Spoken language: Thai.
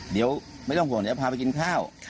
เดี๋ยวไม่ต้องห่วงเดี๋ยวพาไปกินข้าว